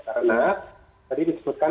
karena tadi disebutkan